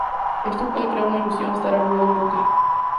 Esto puede crear una ilusión de estar a bordo de un buque.